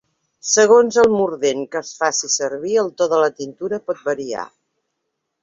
Segons el mordent que es faci servir el to de la tintura pot variar.